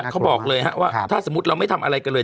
เขาบอกเลยว่าถ้าสมมุติเราไม่ทำอะไรกันเลย